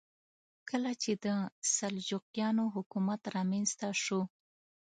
کله چې د سلجوقیانو حکومت رامنځته شو.